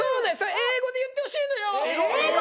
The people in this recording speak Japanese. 英語で言ってほしいのよ。